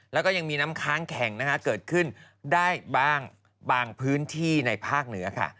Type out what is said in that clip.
แล้วก็ยังมีน้ำค้างแข็งเกิดขึ้นได้บ้างบางพื้นที่ในภาคเหนือค่ะ